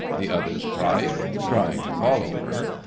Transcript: the others cried, trying to follow her.